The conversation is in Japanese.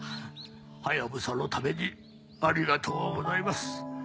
ハヤブサのためにありがとうございます。